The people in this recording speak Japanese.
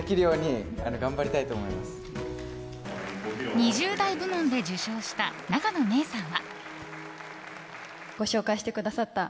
２０代部門で受賞した永野芽郁さんは。